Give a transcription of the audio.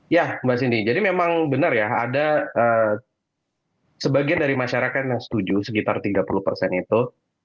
ya mbak sindi jadi memang benar ya ada sebagian dari masyarakat yang setuju sekitar tiga puluh persen itu